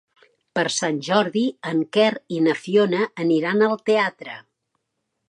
Per Sant Jordi en Quer i na Fiona aniran al teatre.